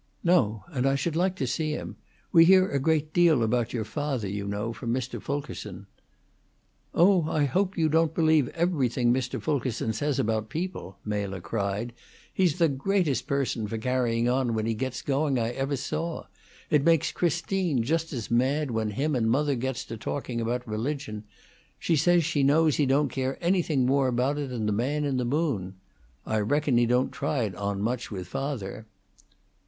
"No; and I should like to see him. We hear a great deal about your father, you know, from Mr. Fulkerson." "Oh, I hope you don't believe everything Mr. Fulkerson says about people," Mela cried. "He's the greatest person for carrying on when he gets going I ever saw. It makes Christine just as mad when him and mother gets to talking about religion; she says she knows he don't care anything more about it than the man in the moon. I reckon he don't try it on much with father."